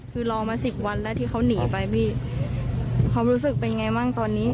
คือรอมา๑๐วันแล้วที่เขาหนีไปพี่